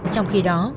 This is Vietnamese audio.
trong khi đó